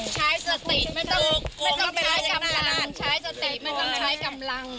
ใช้สติไม่ต้องใช้กำลังใช้สติไม่ต้องใช้กำลัง